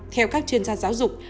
theo các chuyên gia giáo dục